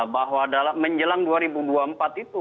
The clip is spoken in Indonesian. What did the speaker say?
bahwa menjelang dua ribu dua puluh empat itu